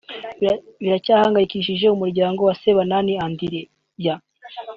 biracyahangayikishije umuryango wa Sebanani Andereya